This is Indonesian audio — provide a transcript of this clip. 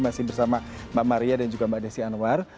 masih bersama mbak maria dan juga mbak desi anwar